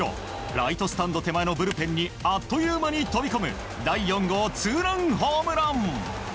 ライトスタンド手前のブルペンにあっという間に飛び込む第４号ツーランホームラン。